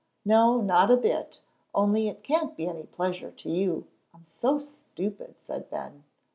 "No, not a bit; only it can't be any pleasure to you, I'm so stupid," said Ben.